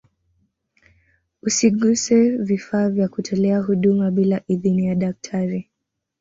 usiguse vifaa vya kutolea huduma bila idhini ya daktari